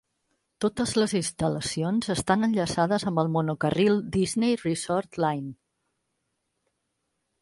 Totes les instal·lacions estan enllaçades amb el monocarril Disney Resort Line.